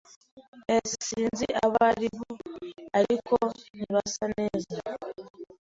S Sinzi abo ari bo, ariko ntibasa neza.